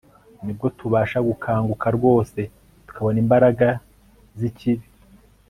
nibwo tubasha gukanguka rwose tukabona imbaraga z'ikibi